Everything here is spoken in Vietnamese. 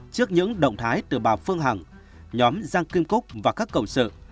trước những động thái từ bà phương hằng nhóm giang kim cúc và các cầu sự